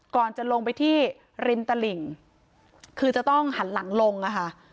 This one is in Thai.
ก่อนจะลงไปที่ริมตลิ่งคือจะต้องหันหลังลงอะค่ะ